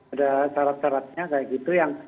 ada syarat syaratnya kayak gitu yang